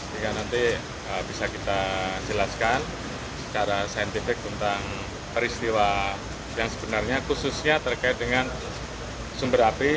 sehingga nanti bisa kita jelaskan secara saintifik tentang peristiwa yang sebenarnya khususnya terkait dengan sumber api